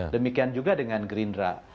demikian juga dengan green run